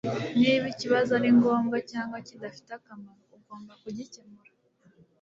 niba ikibazo ari ngombwa cyangwa kidafite akamaro, ugomba kugikemura